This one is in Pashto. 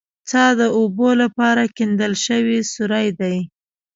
څا د اوبو لپاره کیندل شوی سوری دی